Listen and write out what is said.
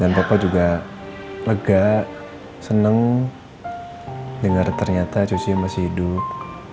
dan papa juga lega seneng denger ternyata cuci masih hidup